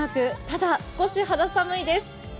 ただ少し肌寒いです。